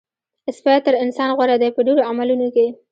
سپی تر انسان غوره دی په ډېرو عملونو کې.